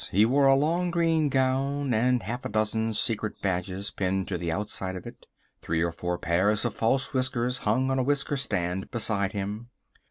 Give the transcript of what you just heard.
He wore a long green gown and half a dozen secret badges pinned to the outside of it. Three or four pairs of false whiskers hung on a whisker stand beside him.